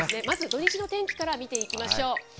まず土日の天気から見ていきましょう。